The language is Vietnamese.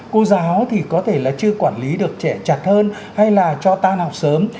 cô giáo thì có thể là chưa quản lý được trẻ chặt hơn hay là cho tan học sớm